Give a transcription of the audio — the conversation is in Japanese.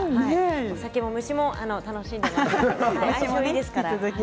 酒も虫も楽しんでます。